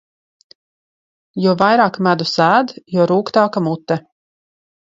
Jo vairāk medus ēd, jo rūgtāka mute.